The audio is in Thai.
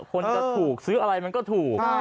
คนจะถูกซื้ออะไรมันก็ถูก